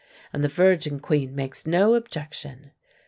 And the Virgin Queen makes no objection!